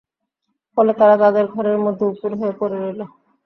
ফলে তারা তাদের ঘরের মধ্যে উপুড় হয়ে পড়ে রইল।